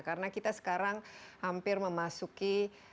karena kita sekarang hampir memasuki